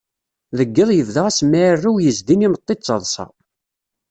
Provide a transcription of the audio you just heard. Deg yiḍ yebda asemɛirew yezdin imeṭṭi d taḍṣa.